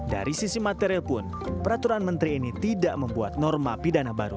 dari sisi material pun peraturan menteri ini tidak membuat norma pidana baru